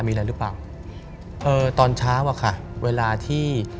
มีอะไรหรือเปล่าเอ่อตอนเช้าอะค่ะเวลาที่